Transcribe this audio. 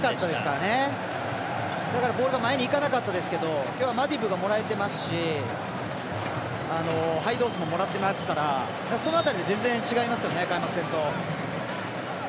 ボールが前にいかなかったですけど今日はマディブーがもらえてますしハイドースももらってますからその辺り、全然、違いますよね開幕戦と。